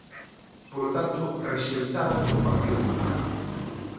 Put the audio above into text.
Polo tanto, rexeitada polo Partido Popular.